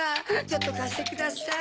ちょっとかしてください。